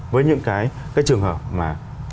với những cái trường hợp mà